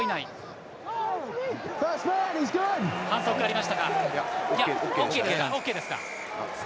反則ありましたか、ＯＫですか。